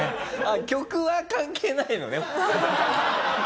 曲は関係ないのね。